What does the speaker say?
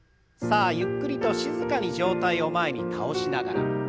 さあゆっくりと静かに上体を前に倒しながら。